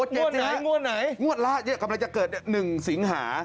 งวดไหนงวดละกำลังจะเกิด๑สิงหา